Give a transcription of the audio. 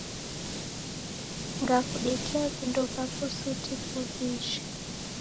Ngakudekia vindo vapo suti kivijhe